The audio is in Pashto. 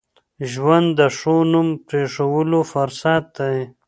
ژوند د ښو نوم پرېښوولو فرصت دی.